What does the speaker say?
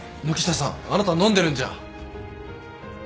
軒下さんあなた飲んでるんじゃ。